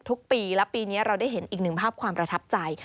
ทุกปีและปีนี้เราได้เห็นอีกหนึ่งภาพความประทับใจ